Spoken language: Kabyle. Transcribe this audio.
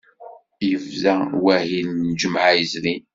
Yebda wahil lǧemɛa yezrin.